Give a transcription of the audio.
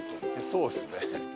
そうですね。